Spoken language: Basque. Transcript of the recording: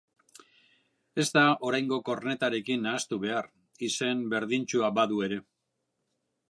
Ez da oraingo kornetarekin nahastu behar, izen berdintsua badu ere.